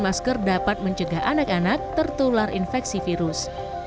masker dapat mencegah anak anak tertular infeksi virus